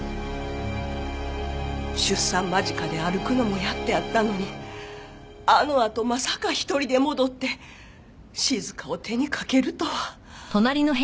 出産間近で歩くのもやっとやったのにあのあとまさか１人で戻って静香を手にかけるとは。